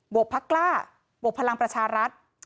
วกพักกล้าบวกพลังประชารัฐ